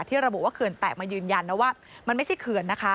ระบุว่าเขื่อนแตกมายืนยันนะว่ามันไม่ใช่เขื่อนนะคะ